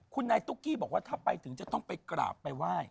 คุณนายตุ๊กกี้บอกว่าถ้าไปถึงจะต้องไปกราบไปไหว้